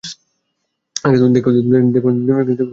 দেখো, কেউ আসবে না।